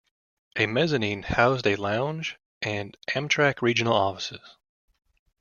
A mezzanine housed a lounge and Amtrak regional offices.